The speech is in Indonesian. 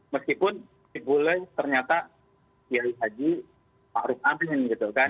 meskipun si bule ternyata ya dikaji pak ruf amin gitu kan